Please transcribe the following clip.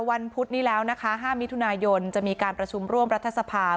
พุธนี้แล้วนะคะ๕มิถุนายนจะมีการประชุมร่วมรัฐสภาพ